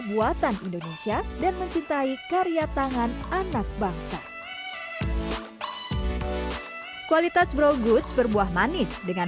buatan indonesia dan mencintai karya tangan anak bangsa kualitas bro goods berbuah manis dengan